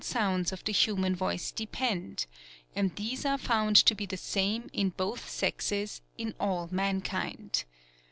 sounds of the hunan voice depend ; and these are found to be the same in both sex?s in all mankind.